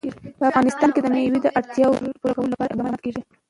په افغانستان کې د مېوې د اړتیاوو پوره کولو لپاره اقدامات کېږي.